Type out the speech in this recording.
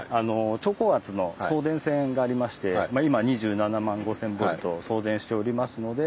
超高圧の送電線がありまして今２７万５，０００ボルト送電しておりますので。